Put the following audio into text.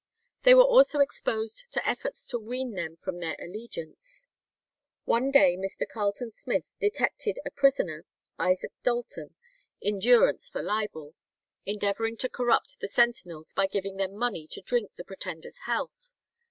They were also exposed to efforts to wean them from their allegiance. One day Mr. Carleton Smith detected a prisoner, Isaac Dalton,[140:1] in durance for libel, endeavouring to corrupt the sentinels by giving them money to drink the Pretender's health.